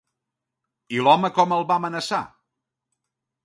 I l'home com el va amenaçar?